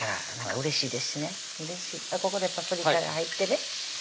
うれしいここでパプリカが入ってね